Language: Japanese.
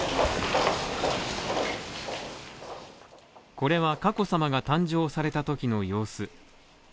これは佳子さまが誕生されたときの様子。